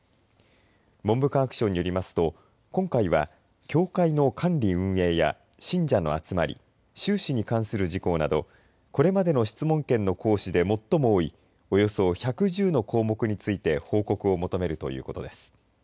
文部科学省によりますと今回は教会の管理運営や信者の集まり収支に関する事項などこれまでの質問権の行使で最も多いおよそ１１０の項目について報告を求めるということです。